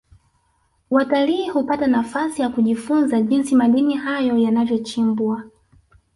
watalii hupata nafasi ya kujifunza jinsi madini hayo yanavyochimbwa